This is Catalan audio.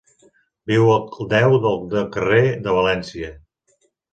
Viu al deu del carrer de València.